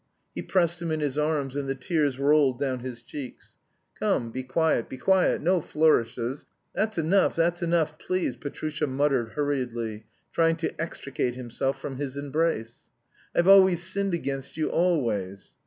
He pressed him in his arms and the tears rolled down his cheeks. "Come, be quiet, be quiet, no flourishes, that's enough, that's enough, please," Petrusha muttered hurriedly, trying to extricate himself from his embrace. "I've always sinned against you, always!"